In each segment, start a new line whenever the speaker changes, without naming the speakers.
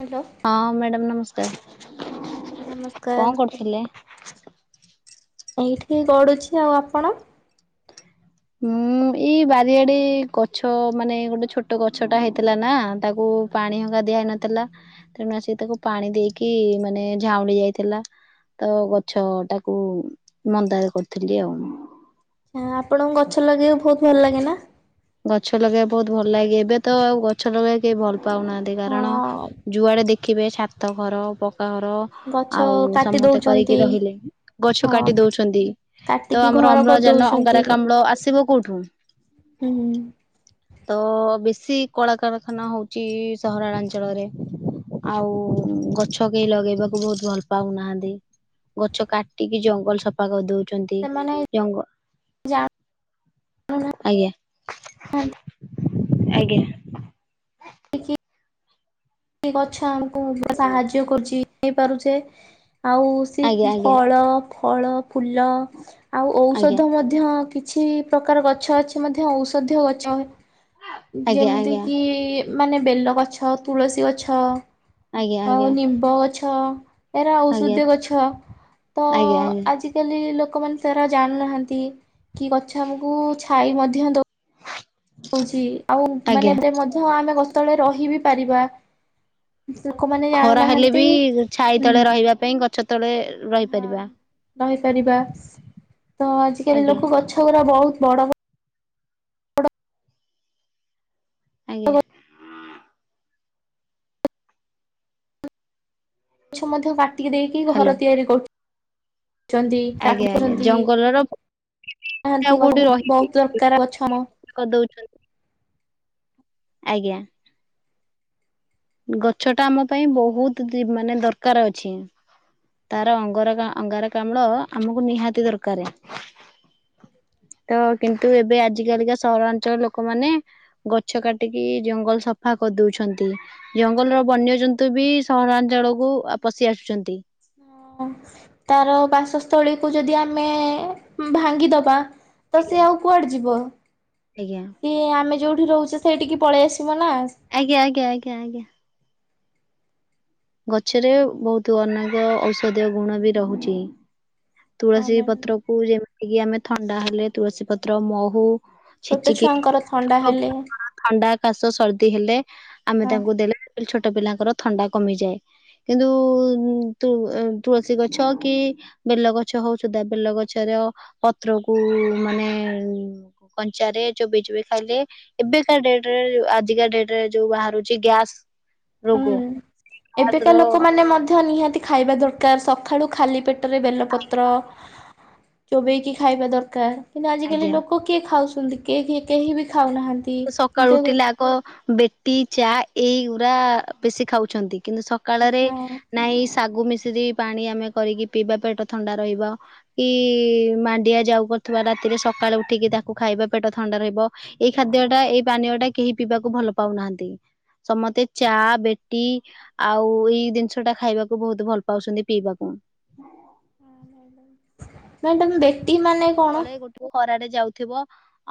Hello
ହଁ madam ନମସ୍କାର।
ହଁ ମ୍ୟାଡ଼ାମ
କଣ
ନମସ୍କାର।
କରୁଥିଲେ?
ଏଇଠି ଗଡୁଛି ଆଉ ଆପଣ?
ହୁଁ ଏଇ ବାରିଆଡେ ଗଛ ମାନେ ଗୋଟେ ଛୋଟ ଗଛ ଟା ହେଇଥିଲା ନା ତାକୁ ପାଣି ହଙ୍ଗା ଦିଆଇ ନଥିଲା ତେଣୁ ଆ ସେିକ ତାକୁ ପାଣି ଦେଇକି ମାନେ ଝାଉଁଡି ଯାଇଥିଲା। ତ ଗଛ ଟାକୁ ମନ୍ଦାରେ କରିଥିଲି ଆଉ ମୁଁ।
ଆଛ ଆପଣଙ୍କୁ ଗଛ ଲଗେଇବ ବହୁତ ଭଲ ଲାଗେ ନା?
ଗଛ ଲଗେଇବା ବହୁତ ଭଲ ଲାଗେ ଏବେ ତ ଆଉ ଗଛ ଲଗେଇବା କେହି ଭଲ ପାଉନାହାନ୍ତି କାରଣ
ହଁ
ଯୁଆଡେ ଦେଖ ରଖିବେ ଛାତ ଘର ପକାଘର
ଗଛ
ଆଉ
କାଟି
ସମସ୍ତେ କରିକି
ଦଉଛନ୍ତି
ରହିଲେ ଗଛ
ହଁ
କାଟି ଦଉଛନ୍ତି। ତ
କାଟିକି
ଆମର
ଘର
ଅମ୍ଳଜାନ
କରିଦଉଛନ୍ତି
ଅଙ୍ଗାରକା ଅମ୍ଳ ଆସିବ କୋଉଠୁ
ହୁଁ
ତ। ବେଶୀ କଳାକାରଖାନା ହଉଛି ସହରାଞ୍ଚଳରେ। ଆଉ ଗଛ କେହି ଲଗେଇବାକୁ ବହୁତ ଭଲ ପାଉନାହାନ୍ତି। ଗଛ କାଟିକି ଜଙ୍ଗଲ ସଫା କରିଦଉଛି।
ସେମାନେ
ଜଙ୍ଗ ଆଜ୍ଞା।
ହଁ।
ଆଜ୍ଞା।
ଦେଖି ଗଛ ଆମକୁ ସାହାଯ୍ୟ କରୁଛି ହେଇ ପାରୁଛେ। ଆଉ ସି
ଆଜ୍ଞା ଆଜ୍ଞା
ଫଳ ଫଳ ଫୁଲ ଆଉ
ଆଜ୍ଞା
ଔଷଧ ମଧ୍ୟ କି କିଛି ପ୍ରକାର ଗଛ ଅଛି ମଧ୍ୟ ଔଷଧୀୟ ଗଛ
ଆଜ୍ଞା ଆଜ୍ଞା
ଯେମିତି କିି ମାନେ ବେଲଗଛ ତୁଳସୀ ଗଛ
ଆଜ୍ଞା ଆଜ୍ଞା
ଆଉ ନିମ୍ବ ଗଛ ଏରା
ଆଜ୍ଞା।
ଔଷଧୀୟ ଗଛ ତ
ଆଜ୍ଞା ଆଜ୍ଞା
ଆଜିକାଲି ଲୋକ ଲୋକମାନୋନ ତାରା ଜାଣୁନାହାନ୍ତି କି ଗଛ ଆମକୁ ଛାଇ ମଧ୍ୟ ଦଉ ହଉଛି ଆଉ ମାନେ
ଆଜ୍ଞା।
ଏ ମଧ୍ୟ ଆମେ ଗତବେଳେ ରହି ବିି ପାରିବା। ଲୋକମାନେ
ଖରା ହେଲେ
ଜାଣୁନାହାନ୍ତି
ବି ଛାଇ
ହୁଁ
ତଳେ ରହିବା ପାଇଁ ଗଛ ତଳେ
ହଁ।
ରହିପାରିବା।
ରହିପାରିବା ତ ଆଜିକାଲି
ଆଜ୍ଞା
ଲୋକ ଗଛ ଗୁରା ବହୁତ ବଡ
ଆଜ୍ଞା।
ବଡ ଗଛ ମଧ୍ୟ କାଟିକି ଦେଇକି
ହ୍ୟାଲୋ
ଘର ତିଆରି କରୁ ଛନ୍ତି ତାକୁ
ଆଜ୍ଞା ଆଜ୍ଞା
କରୁଛନ୍ତି।
ଜଙ୍ଗଲର ଆଉ
ହାନ୍ତିଛ
କୋଉଠି
ବହୁତ
ରହିବେ
ଦରକାର ଗଛଆମ
କରିଦଉଛନ୍ତି ଆଜ୍ଞା। ଗଛ ଟା ଆମ ପାଇଁ ବହୁତ ଦି ମାନେ ଦରକାର ଅଛି। ତାର ଅଙ୍ଗର ଅଙ୍ଗାରକାମ୍ଳ ଆମକୁ ନିହାତି ଦରକାରେ ହ ତ କିନ୍ତୁ ଏବେ ଆଜି କାଲିକା ସହରାଞ୍ଚଳ ଲୋକମାନେ ଗଛ କାଟିକି ଜଙ୍ଗଲ ସଫା କଦୋଉଛନ୍ତି। ଜଙ୍ଗଲର ବନ୍ୟଜନ୍ତୁ ବି ସହରାଞ୍ଚଳକୁୁ ପଶି ଆ ଆସୁଛନ୍ତି।
ହଁ ତାର ବାସସ୍ଥଳୀକୁ ଯଦି ଆମେ ଭାଙ୍ଗିଦବା ତ ସିଏ ଆଉ କୁଆଡେ ଯିବ
ଆଜ୍ଞା
ସିଏ ଆମେ ଯୋଉଠି ରହୁଛେ ସେଠିକି ପଳେଇ ଆସ
ଆଜ୍ଞା ଆଜ୍ଞା ଆଜ୍ଞା ଆଜ୍ଞା। ଗଛରେ ବହୁତ ଅନେକ ଔଷଧ ଗୁଣ ବି ରହୁଛି
ହଁ
ତୁଳସୀ
ମ୍ୟାଡାମ
ପତ୍ର କୁ ଯେମିତି କିି ଆମେ ଥଣ୍ଡା ହେଲେ ତୁଳସୀ ପତ୍ର ମହୁ
ଛୋଟ ଛୁଆଙ୍କର ଥଣ୍ଡା
ଛୋଟ
ହେଲେ
ଛୁଆଙ୍କର ଥଣ୍ଡା କାଶ ସର୍ଦି ହେଲେ ଆମେ
ହଁ
ତାଙ୍କୁ ଦେଲେ ଛୋଟ ପିଲାଙ୍କର ଥଣ୍ଡା କମିଯାଏ କିନ୍ତୁ ତୁ ଏ ତୁଳସୀ ଗଛ କି ବେଲଗଛ ହଉ ସୁଧା ବେଲଗଛର ପତ୍ରକୁ ମାନେ କଞ୍ଚାରେ ଚୋବଇ ଚୋବେଇ ଖାଇଲେ ଏବେକା ଡେଟ ଆଜିକା ଡେଟ ରେ ଯୋଉ ବାହାରୁଛି ଗ୍ୟାସ୍
ହୁଁ ଏବେକା ଲୋକମାନେ ମଧ୍ୟ ନିହାତି ତି ଖାଇବା ଦରକାର ସଖାଳୁ ଖାଲି ପେଟ ରେ ବେଳ ପତ୍ର ଚୋବେଇକି ଖାଇବା ଦରକାର କିନ୍ତୁ ଆଜିିକାଲି
ଆଜ୍ଞା
ଲୋକ କିଏ ଖାଉଛନ୍ତି କି କି କେହି ବି ଖାଉନାହାନ୍ତି।
ସକାଳୁ
କିନ୍ତୁ ହଁ
ଉଠିଲେ ଆଗ ବେଟି ଚା ଏଇଗୁଡା ବେଶୀ ଖାଉଛନ୍ତି। କିନ୍ତୁ ସକାଳରେ ନାଇଁ ଶାଗୁ ମିଶ୍ରୀ ପାଣି ଆମେ କରିକି ପିଇବା ପେଟ ଥଣ୍ଡା ରହିବ କି ମାଣ୍ଡିଆ ଯାଉ କ ଥିବା ରାତିରେ ସକାଳେ ଉଠିକି ତାକୁ ଖାଇବା ପେଟ ଥଣ୍ଡା ରହିବ ଏଇ ଖାଦ୍ୟ ଟା ଏଇ ପାନୀୟ ଟା କେହି ପିବାକୁ ଭଲ ପାଉନାହାନ୍ତି। ସମସ୍ତେ ଚା ବେଟି ଆଉ ଏଇ ଜିନିଷ ଟା ଖାଇବାକୁ ବହୁତ ଭଲ ପାଉଛନ୍ତି ପିଇବାକୁ ହଁ
[unintelligible] କଣ?
[unintelligible] ଗୋଟେ ଖରାଡେ ଯାଉଥିବ।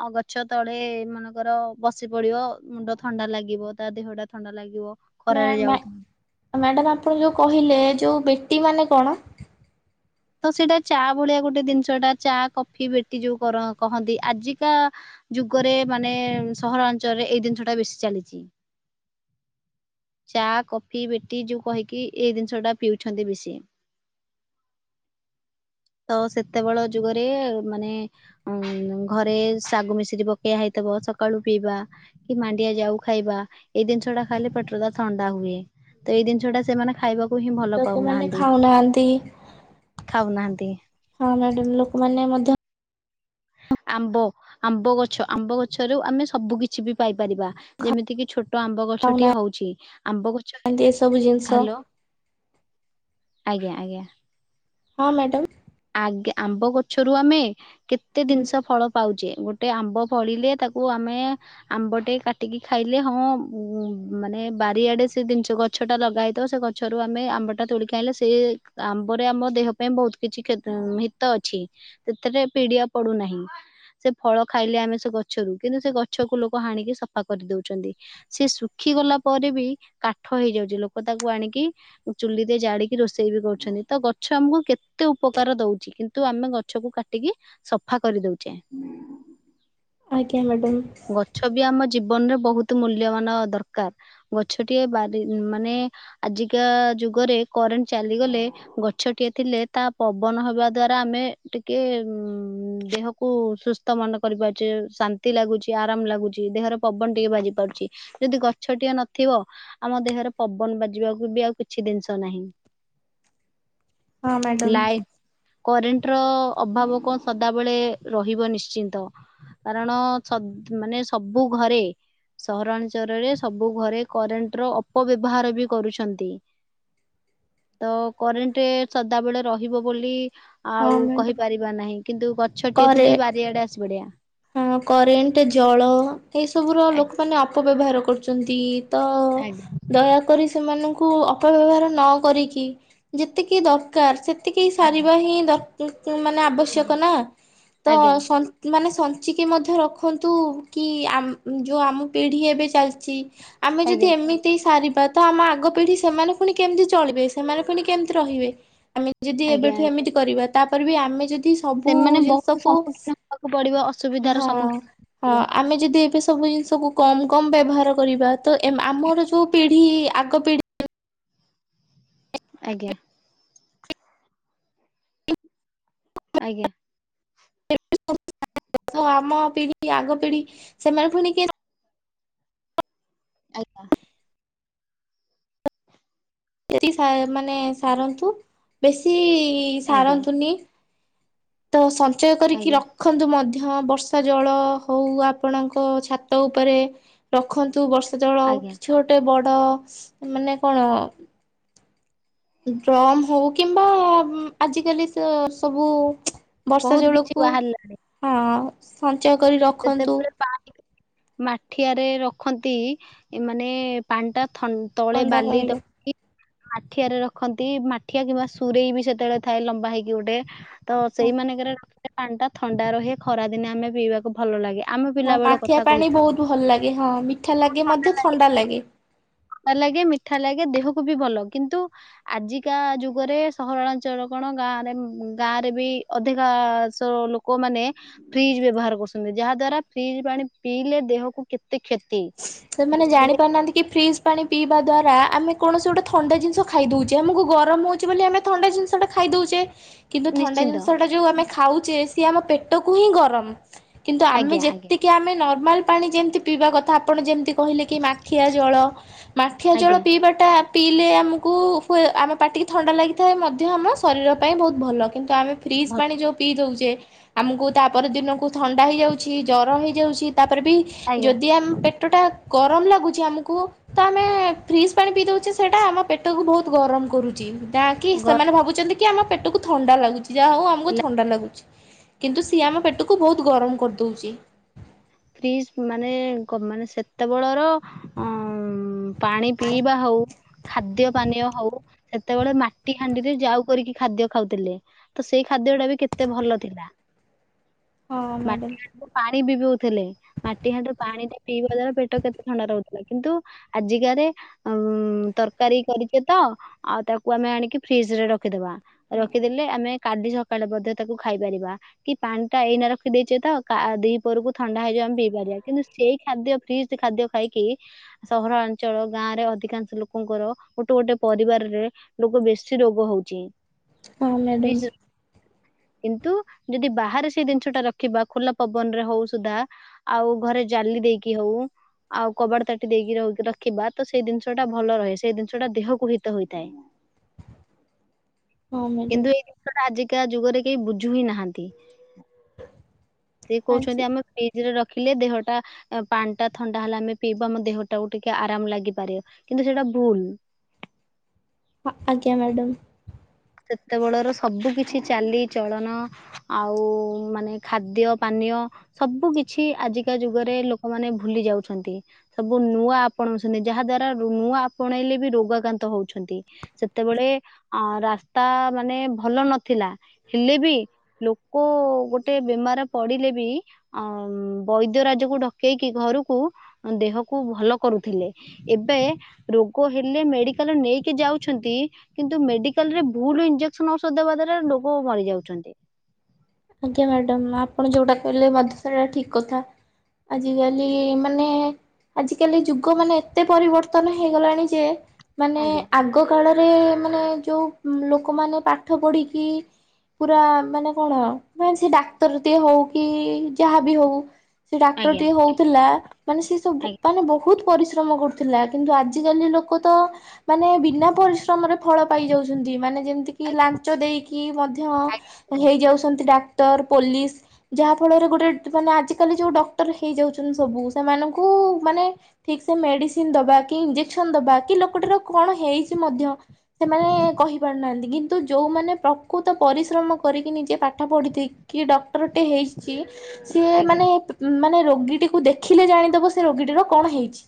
ଆ ଗଛ ତଳେ ମନେକର ବସି ପଡିବ ମୁଣ୍ଡ ଥଣ୍ଡା ଲାଗିବ ତା ଦେହ ଟା ଥଣ୍ଡା ଲାଗିବ
ମ୍ୟା
ଖରାରେ
ମ୍ୟା
ଯାଉଥିବ
ମ୍ୟାଡାମ ଆପଣ ଯୋଉ କହିଲେ ଯୋଉ ବେଟି ମାନେ କଣ?
ତ ସେଇଟା ଚା ଭଳିଆ ଗୋଟେ ଜିନିଷଟା ଚା କଫି ବେଟି ଯୋଉ କର କହନ୍ତି ଆଜିକା ଯୁଗରେ ମାନେ ସହରାଞ୍ଚଳରେ ଏଇ ଜିନିଷ ଟା ବେଶୀ ଚାଲିଚି। ଚା କଫି ବେଟି ଯୋଉ କହିକି ଏଇ ଜିନିଷ ଟା ପିଉଛନ୍ତି ବେଶି [inaudible] ତ ସେତେବେଳ ଯୁଗରେ ମାନେ ଉଁ ଘରେ ଶାଗୁ ମିଶ୍ରୀ ପକେୟା ହେଇଥ ବ ସକାଳୁ ପିଇବା କି ମାଣ୍ଡିଆ ଯାଉ ଖାଇବା ଏଇ ଦିନସ ଟା ଖାଇଲେ ପେଟ ଥଣ୍ଡା ହୁଏ ତ ଏଇ ଜିନିଷ ଟା ସେମାନେ ଖାଇବାକୁ ହିଁ ଭଲ
ଲୋକମାନେ
ପାଉନାହାନ୍ତି
ଖାଉନାହାନ୍ତି
ଖାଉନାହାନ୍ତି
ହଁ ମ୍ୟାଡାମ ଲୋକମାନେ ମଧ୍ୟ
ହୁଁ ଆମ୍ବ ଆମ୍ବ ଗଛ ଆମ୍ବ ଗଛରୁ ଆମେ ସବୁ କିିଛି ବି ପାଇପାରିବା ଯେମିତି କିି ଛୋଟ ଟ ଆମ୍ବ ଗଛ ଟିଏ
ଖାଉନାହାନ୍ତି
ହଉଛି ଆମ୍ବ ଗଛ ହେ
ଏସବୁ ଜିନିଷ
ହ୍ୟାଲୋ ଆଜ୍ଞା ଆଜ୍ଞା।
ହଁ ମ୍ୟାଡ଼ମ୍।
ଆଗ ଆମ୍ବ ଗଛରୁ ଆମେ କେତେ ଜିନିଷ ଫଳ ପାଉଚେ ଗୋଟେ ଗୋଟେ ଆମ୍ବ ଫଳିଲେ ତାକୁ ଆମେ ଆମ୍ବ ଟେ କାଟିକି ଖାଇଲେ ହଁ ମାନେ ବାରିଆଡ଼େ ସେ ଜିନିଷ ଗଛଟା ଲଗା ହୋଇଇଥିବ ସେ ଗଛରୁ ଆମେ ଆମ୍ବଟା ତୋଳି ଖାଇଲେ ସେ ଆମ୍ବରେ ଆମ ଦେ ଦେହ ପାଇଁ ବହୁତ କିଛି କ୍ଷତ ଉଁ ହିତ ଅଛି ସେଥିରେ ପିଡିଆ ପଡୁନାହିଁ। ସେ ଫଳ ଖାଇଲେ ଆମେ ସେ ଗଛରୁ କିନ୍ତୁ ସେ ଗଛକୁ ଲୋକ ହାଣିକି ସଫା କରିଦଉଛନ୍ତି ସେ ଶୁଖି ଶୁଖି ଗଲା ପରେ ବି କାଠ ହେଇଯାଉଛି ଲୋକ ତାକୁ ଆଣିକି ଚୁଲିରେ ଜାଡିକି ରୋଷେଇ ବି କରୁଛନ୍ତି। ତ ଗଛ ଆମକୁ କେତେ ଉପକାର ଦଉଚି, କିନ୍ତୁ ଆମେ ଗଛକୁ କାଟିକୀ ସଫା କରିଦଉଚେ।
ଆଜ୍ଞା ମ୍ୟାଡାମ
ଗଛବି ଆମ ଜୀବନରେ ବହୁତ ମୂଲ୍ୟବାନ ଦରକାର। ଯୁଗରେ କରେଣ୍ଟ ଚାଲିଗଲେ ଗଛ ଟିଏ ଥିଲେ ତା ପବନ ହେବା ଦ୍ୱାରା ଆମେ ଟିକେ ଦେହକୁ ସୁସ୍ଥ ମନେ କରି ପାରୁଚେ ଶାନ୍ତି ଲାଗୁଛି। ଆରାମ ଲାଗୁଚି, ଦେହର ପବନ ଟିକେ ବାଜି ପାରୁଚି। ଯଦି ଗଛ ଟିଏ ନଥିବ, ଆମ ଦେହରେ ପବନ ବାଜିବାକୁ ବି ଆଉ କିଛି ଜିନିଷ ନାହିଁ।
ହଁ ମ୍ୟାଡ଼ାମ।
କରେଣ୍ଟର ଅଭାବ କଣ ସଦାବେଳେ ରହିବ ନିଶ୍ଚିନ୍ତ କାରଣ ସ ମାନେ ସବୁ ଘରେ ସହରାଞ୍ଚଳରେ ସବୁ ଘରେ କରେଣ୍ଟର ଅପବ୍ୟବାହାର ବି କରୁଛନ୍ତି। ତ କରେଣ୍ଟ ସଦାବେଳେ ରହିବ ବୋଲି
ହଁ
ଆଉ
ମ୍ୟାଡାମ
କହିପାରିବା ନାହିଁ, କିନ୍ତୁ ଗଛ ଟିଏ
କରେ
ଥିଲେ ବାରିଆଡେ ଆସିପଡ଼ିବା।
ହଁ କରେଣ୍ଟ ଜଳ ଏସବୁର
ଆଜ୍ଞା
ଲୋକମାନେ ଅପବ୍ୟବହାର କରୁଛନ୍ତି। ତ
ଆଜ୍ଞା
ଦୟାକରି ସେମାନଙ୍କ କୁ ଅପବ୍ୟବହାର ନ କରିକି ଯେତିକି ଦରକାର ସେତିକି
ଆଜ୍ଞା
ସାରିବା ହିଁ ଦର୍ ମାନେ ଆବଶ୍ୟକ ନା ତ
ଆଜ୍ଞା
ସନ୍ତ୍ ଲୁଚିକି ମଧ୍ୟ ରଖନ୍ତୁ କି ଆମ୍ ଯଉଁ ଆମ ପିଢ଼ି ଏବେ ଚାଲିଚି ଆମେ ଯଦି
ଆଜ୍ଞା
ଏମିତି ସାରି ବା ତ ଆମ ଆଗ ପିଢି ସେମାନେ ପୁଣି କେମିତି ଚଳିବେ? ସେମାନେ ପୁଣି କେମିତି ରହିବେ? ଆମେ ଯଦି
ଆଜ୍ଞା।
ଏବେଠୁ ଏମିତି କରିବା ତାପରେ ବି ଆମେ ଯଦି ସେ ସବୁ
ସେମାନେ ବହୁତ
ଜିନିଷକୁ
ସମ୍ମୁଖୀନ ହେବାକୁ ପଡିବ ଅସୁବିଧାର
ହଁ
ସମ୍ମୁଖୀନ
ହଁ
ପଡିବ
ଆମେ ଯଦି ଏବେ ସବୁ ଜିନିଷକୁ କମ କମ ବ୍ୟବହାର କରିବା ତ ଏ ଆମର ଯୋଉ ପିଢ଼ି ଆଗ ପିଢ଼ି
ଆଜ୍ଞା।
[unintelligible]
ଆଜ୍ଞା।
[unintelligible] ଆମ ପିଢି ଆଗ ପିଢି ସେମାନ ପୁଣି କେ
[inaudible] ଆଜ୍ଞା।
ଯେତିକି ସା ମାନେ ସାରନ୍ତୁ ବେଶୀ
ଆଜ୍ଞା
ସାରନ୍ତୁନି। ତ ସଞ୍ଚୟ କରିକି
ଆଜ୍ଞା
ରଖନ୍ତୁ ମଧ୍ୟ ଧ୍ୟ ବର୍ଷା ଜଳ ହଉ ଆପଣଙ୍କ ଛାତ ଉପରେ ରଖନ୍ତୁ ବର୍ଷା ଜଳ
ଆଜ୍ଞା।
କିଛି ଗୋଟେ ବଡ଼ ମାନେ କଣ ଡ୍ରମ୍ ହଉ କିମ୍ବା ଆଜିକାଲି ସେ ସବୁ ବର୍ଷା
ବହୁତ କିଛି
ଜଳକୁ ହଁ ସଞ୍ଚୟ କରି ରଖନ୍ତୁ
ଯେତେବେଳେ ପାଣି ମାଠିଆରେ ରଖନ୍ତି ମାନେ ପାଣି ଟା ଥ ତଳେ
ଥଣ୍ଡା
ବାଲି
ରହିବ।
ରଖି ମାଠିଆରେ ରଖନ୍ତି, ମାଠିଆ କିମ୍ବା ସୁରେଇ ବି ସେତେବେଳେ ଥାଏ ଲମ୍ବା ହେଇକି ଗୋଟେ ତ
ହଁ
ସେଇମାନଙ୍କରେ ରଖିଲେ ପାଣି ଟା ଥଣ୍ଡା ରହେ ଖରା ଦିନେ ଆମେ ପିଇବାକୁ ଭଲ ଲାଗେ। ଆମ
ହଁ
ପିଲା ବେଳ
ମାଠିଆ
କଥା
ପାଣି
କହୁଛୁ ଆମେ
ବହୁତ ଭଲ ଲାଗେ ହଁ ମିଠା ଲାଗେ ମଧ୍ୟ ଥଣ୍ଡା ଲାଗେ।
ଲାଗେ ମିଠା ଲାଗେ ଦେହକୁ ବି ଭଲ କିନ୍ତୁ ଆଜିକା ଯୁଗରେ ସହରାଞ୍ଚଳ କଣ ଗାଁରେ ଗାଁ ରେ ବି ଅଧିକାଶ ଲୋକ ମାନେ ଫ୍ରିଜ ବ୍ୟବହାର କରୁଛନ୍ତି ଯାହା ଯାହା ଦ୍ଵାରା ଫ୍ରିଜ୍ ପାଣି ପିଇଲେ ଦେହକୁ କେତେ କ୍ଷତି
ସେମାନେ ଜାଣି ପାରୁନାହାନ୍ତି କି ଫ୍ରିଜ ପାଣି ପିଇବା ଦ୍ୱାରା ଆମେ କୌଣସି ଗୋଟେ ଥଣ୍ଡା ଜିନିଷ ଖାଇଦେଉଚେ ଆମକୁ ଗରମ ହଉଚି ବୋଲି ଆମେ ଥଣ୍ଡା ଜିନିଷଟା ଖାଇଦଉ ଚେ କିନ୍ତୁ ଥଣ୍ଡା
ନିଶ୍ଚିନ୍ତ
ଜିନିଷ ଟା ଜଉ ଆମେ ଖାଉଚେ ସେ ଆମ ପେଟକୁ ହିଁ ଗରମ କିନ୍ତୁ ଆମେ
ଆଜ୍ଞା ଆଜ୍ଞା
ଯେତିକି ଆମେ ନର୍ମାଲ ପାଣି ଯେମତି ପିଇବା କଥା ଆପଣ ଯେମିତି କହିଲେ କି ମାଠିଆ ଜଳ ମାଠିଆ ଜଳ
ଆଜ୍ଞା
ପିଇବାଟା। ପିଇଲେ ଆମକୁ ଆମେ ପାଟିକି ଥଣ୍ଡା ଲାଗିଥାଏ ମଧ୍ୟ ଆମ ଶରୀର ପାଇଁ ବହୁତ ଭଲ କିନ୍ତୁ ଆମେ ଫ୍ରିଜ୍
ଭଲ
ପାଣି ଯେଉଁ ପିଇ ଦେଉଛେ। ଆମକୁ ତାପରେ ଦିନକୁ ଥଣ୍ଡା ହେଇଯାଉଛି ଜରମ ହେଇଯାଉଛି ତାପରେ ବି
ଆଜ୍ଞା
ଯଦି ଆମ। ପେଟ ଟା ଗରମ ଲାଗୁଛି ଆମକୁ ତ ଆମେ ଫ୍ରିଜ୍ ପାଣି ପିଇ ଦଉଛେ ସେଇଟା ଆମ ପେଟକୁ ବହୁତ ଗରମ। କରୁଛି ଯାହାକି
ଗ
ସେମାନେ ଭାବୁଛନ୍ତି କି ଆମ ପେଟକୁ ଥଣ୍ଡା ଲାଗୁଛି ଯାହା ହଉ ଆମକୁ ଥଣ୍ଡା ଲାଗୁଛି। କିନ୍ତୁ ସିଏ ଆମ ପେଟକୁ ବହୁତ ଗରମ କରିଦଉଛି।
ଫ୍ରିଜ୍ ମାନେ ମାନେ ସେତେବେଳର ପାଣି ପିଇବା ହଉ ଖାଦ୍ୟ ପାନୀୟ ହଉ ସେତେବେଳେ ମାଟି ହାଣ୍ଡିରେ ଯାଉ କରିକି ଖାଦ୍ୟ ଖାଉଥିଲେ ତ ସେଇ ଖା ଖାଦ୍ୟ ଟା ବି କେତେ ଭଲ ଥିଲା।
ହଁ ମ୍ୟାଡ଼ମ୍।
ଥିଲେ ମାଟି ହାଟ ପାଣି ଟ ପିଇବା ଦ୍ଵାରା ପେଟ କେତେ ଥଣ୍ଡା ରହୁଥିଲା କିନ୍ତୁ ଆଜିକାରେ ତରକାର କରିଛେ ତ ଆଉ ତାକୁ ଆମେ ଆଣି ଫ୍ରିଜରେ ରଖିଦବା ରଖିଦଲେ। ଆମେ କାଲି ସକାଳେ ମଧ୍ୟ ତାକୁ ଖାଇପାରିବା କି ପାଣି ଟା ଏଇନା ରଖି ଦେଇଛେ ତ ଦି ପହରକୁ। ଥଣ୍ଡା ହେଇଯାଉ ଆମେ ପିଇପାରିବା କିନ୍ତୁ ସେଇ ଖାଦ୍ୟ ଫ୍ରିଜ ଖାଦ୍ୟ ଖାଇକି ସହରାଞ୍ଚଳ ଗାଁ ରେ। ଅଧିକାଂଶ ଲୋକଙ୍କର ଗୋଟେ ଗୋଟେ ପରିବାରରେ ଲୋକ ବେଶୀ ରୋଗ ହଉଛି।
ହଁ ମ୍ୟାଡ଼ମ୍।
ଫ୍ରିଜ କିନ୍ତୁ ଯଦି ବାହାରେ ସେଇ ଜିନିଷ ଟା ରଖିବା ଖୋଲା ପବନ ରେ ହଉ ସୁଧା ଆଉ ଘରେ ଜାଲି ଦେଇକି ହଉ। ଆଉ କବାଟ ତାଟି ଦେଇକି ରଖିବା ତ ସେଇ ଜିନିଷ ଟା ଭଲ ରହେ ସେଇ ଜିନିଷଟା ଦେହକୁ ହିତ ହେଇଥାଏ।
ହଁ ମ୍ୟାଡ଼ାମ
କିନ୍ତୁ ଏଇ ଜିନିଷଟା ଆଜିକା ଯୁଗରେ କେହି ବୁଝୁ ହିଁ ନାହାନ୍ତି। ସେଏ କହୁଛନ୍ତି ଆମେ ରେ ଫ୍ରିଜ ରଖିଲେ ଦେହଟା ପାଣି ଟା ଥଣ୍ଡା ହେଲେ ଆମେ ପିଇବା ଆମ ଦେହ ଟାକୁ ଟିକେ ଆରାମ ଲାଗିପାରେ। କିନ୍ତୁ ସେଟା ଭୁଲ୍
ହଁ ଆଜ୍ଞା ମ୍ୟାଡ଼ମ୍।
ସେତେବେଳର ସବୁ କିଛି ଚାଲିଚଳନ ଆଉ ମାନେ ଖାଦ୍ୟ ପାନୀୟ। ସବୁ କିଛି ଆଜିକା ଯୁଗରେ ଲୋକମାନେ ଭୁଲି ଯାଉଛନ୍ତି ସବୁ ନୂଆ ଆପଣଉଚନ୍ତି। ଯାହା ଦ୍ଵାରା ନୂଆ ଆପଣେଇଲେ ବି ରୋଗ ଆକ୍ରାନ୍ତ ହଉଛନ୍ତି ସେତେବେଳେ ଅ ରା ତା ମାନେ ଭଲ ନଥିଲା ହେଲେ ବି ଲୋକ ଗୋଟେ ବେମାର ପଡିଲେ ବି ବୈଦ୍ୟ ରାଜକୁ ଡକେଇକି ଘରକୁ ଦେହକୁ ଭଲ କରୁଥିଲେ। ଏବେ ରୋଗ ହେଲେ ମେଡିକାଲ ନେଇକି ଯାଉଛନ୍ତି କିନ୍ତୁ ମେଡିକାଲ ରେ ଭୁଲ ଇଞ୍ଜେକ୍ସନ ଔଷଧ ଦେବା ଦ୍ଵାରା ଲୋଗ ଭରି ଯାଉଛନ୍ତି।
ଆଜ୍ଞା ମ୍ୟାଡାମ ଆପଣ ଯୋଉଟା କହିଲେ ମଧ୍ଯ ସେଇଟା ଠିକ୍ କଥା। ଆଜିକାଲି ମାନେ ଆଜ କାଲି ଯୁଗ ମାନେ ଏତେ ପରିବର୍ତ୍ତନ ହେଇଗଲାଣି ଯେ ମାନେ
ଆଜ୍ଞା।
ଆଗ କାଳରେ। ରେ ମାନେ ଯେଉଁ ଲୋକମାନେ ପାଠ ପଢ଼ିକି ପୁରା ମାନେ କଣ ମାନେ ସେ ଡାକ୍ତର ଦଏ ହଉ କି ଯାହାବି ହଉ। ସେ ଡାକ୍ତର
ଆଜ୍ଞା
ଟିକେ ହଉଥିଲା ମାନେ ସେ ସବୁ
ଆଜ୍ଞା।
ମାନେ ବହୁତ୍ ପରିଶ୍ରମ କରୁଥିଲା କିନ୍ତୁ ଆଜିକାଲି ଲୋକ ତ ମାନେ ବିନା ପରିଶ୍ରମରେ ଫଳ ପାଇଯାଉଛନ୍ତି ମାନେ। ଯେମିତି କିି ଲାଞ୍ଚ ଦେଇକି ମଧ୍ୟ
ଆଜ୍ଞା
ହେଇଯାଉଛନ୍ତି ଡାକ୍ତର ଡାକ୍ତର ପୋଲିସ୍ ଯାହା ଫଳରେ ଗୋଟେ ମାନେ ଆଜିକାଲି ଯୋଉ ଡକ୍ଟର ହେଇଯାଉଛନ୍ତି ସବୁ ସେମାନଙ୍କୁ କୁ ମାନେ ଠିକ୍ ସେ ମେଡିସିନ ଦବା କି ଇଞ୍ଜେକ୍ସନ ଦବା କି ଲୋକଟାର କଣ ହେଇଛି ମଧ୍ୟ ସେମାନେ କହି ପାରୁନାହାନ୍ତି କିନ୍ତୁ ଯୋଉମାନେ ପ୍ରକୃତ ପରିଶ୍ରମ କରିକି ନିଜେ ପାଠ ପଢ଼ି ସେ
ଆଜ୍ଞା
ମାନେ ରୋଗ ରୋଗୀଟିକୁ ଦେଖିଲେ ଜାଣିଦବ ସେ ରୋଗୀଟି ର କଣ ହେଇଛି।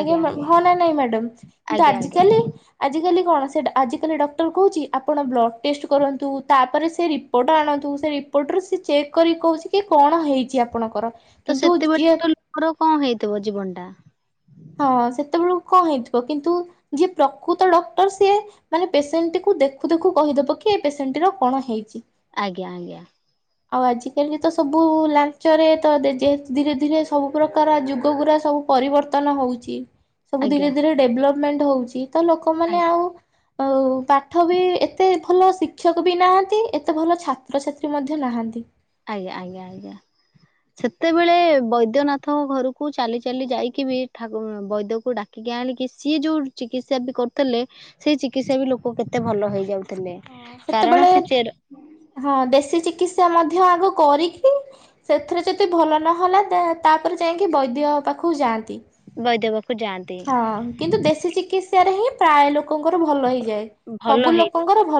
ଆଜ୍ଞା ହଁନା ନାଇଁ ମ୍ୟାଡାମ କିନ୍ତୁ
ଆଜ୍ଞା
ଆଜ
ଆଜ୍ଞା।
କାଲି ଆାଲି କଣ ଆିକାଲି ଡକ୍ଟର କହୁଛି ଆପଣ ବ୍ଲଡ଼୍ ଟେଷ୍ଟ କରନ୍ତୁ ତାପରେ ସେ ରିପୋର୍ଟ ଆଣନ୍ତୁ। ପଟରୁ ସେ ଚେକ୍ କରି କହୁଛି କି କଣ ହେଇଛି ଆପଣଙ୍କର।
ତ
କିନ୍ତୁ ଯିଏ
ସେତେବେଳେ ତ ଲୋକର କଣ ହେଇଥିବ ଜୀବନ ଟା
ହଁ ସେତେବେଳ କଣ ହେଇଥିବ କିନ୍ତୁ ଯିଏ ପ୍ରକୃତ ଡକ୍ଟର ସିଏ ମାନେ ପେସେଣ୍ଟ ଟିକୁ ଦେଖୁ ଦେଖୁ କହିଦେବ କି ଏ ପେସେଣ୍ଟ ଟି କଣ ହେଇଛି।
ଆଜ୍ଞା ଆଜ୍ଞା।
ଆଉ ଆଜିକାଲି ତ ସବୁ ଲାଞ୍ଚରେ ତ ଯେହେତୁ ଧୀରେ ଧୀରେ ସବୁ ପୁରା ପ୍ରକାର ଯୁଗ ଗୁୁରା ସବୁ ପରିବର୍ତ୍ତନ ହଉଛି। ସବୁ ଧୀରେ
ଆଜ୍ଞା
ଧୀରେ ଡେଭଲପମେଣ୍ଟ ହଉଛି। ତ ଲୋକମାନେ
ଆଜ୍ଞା।
ଆଉ ଆଉ ପାଠ ବି ଏତେ ଭଲ ଭଲ ଶିକ୍ଷକ ବି ନାହାନ୍ତି। ଏତେ ଭଲ ଛାତ୍ରଛାତ୍ରୀ ମଧ୍ୟ ନାହାନ୍ତି।
ଆଜ୍ଞା ଆଜ୍ଞା ଆଜ୍ଞା। ସେତେବେଳେ ବୈଦ୍ୟନାଥଙ୍କ ଘରକୁ ଚାଲି ଚାଲି ଯାଇକି ବି ଠାକୁ ବୈଦ୍ୟକୁ ଡାକିକି ଆଜ୍ଞା ଆଣିକି ସିଏ ଯଉଁ ଚିକିତ୍ସା ବି କରୁଥିଲେ। ସେଇ ଚିକିତ୍ସା ବି ଲୋକ କେତେ ଭଲ ହେଇଯାଉଥିଲେ। କାରଣ
ସେତେବେଳେ
ସେ ଚେର
ହଁ ଦେଶୀ ଚିକିତ୍ସା ମଧ୍ୟ ଆଗ କରିକି ସେଥିରେ ଯଦି ଭଲ ନହଲା ତାପରେ ଯାଇକି ବୈଦ୍ୟ ପାଖକୁ ଯାଆନ୍ତି।
ବୈଦ୍ୟ ପାଖକୁ ଯାଆନ୍ତି
ନ୍ତି ହଁ କିନ୍ତୁ ଦେଶୀ ଚିକିତ୍ସା ରେ ହିଁ ପ୍ରାୟ ଲୋକଙ୍କର ଭଲ ହେଇଯାଏ।
ଭଲ
ସବୁ
ହେଇ
ଲୋକଙ୍କର ଭଲ